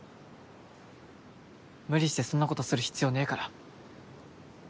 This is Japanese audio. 無理してそんなことする必要ねえから。